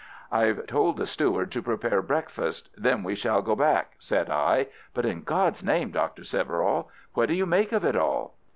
"I've told the steward to prepare breakfast. Then we shall go back," said I. "But in God's name, Doctor Severall, what do you make of it all?"